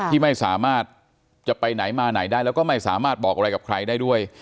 ที่ไม่สามารถจะไปไหนมาไหนได้แล้วก็ไม่สามารถบอกอะไรกับใครได้ด้วย